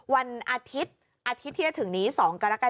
วันอาทิตย์ที่จะถึงนี้๒กรกฏ